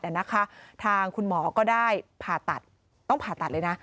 นะคะทางคุณหมอก็ได้ผ่าตัดต้องผ่าตัดเลยนะ